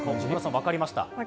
分かりました。